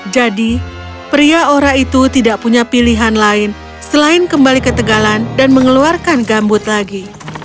jadi pria ora itu tidak punya pilihan lain selain kembali ke tegalan dan mengeluarkan gambut lagi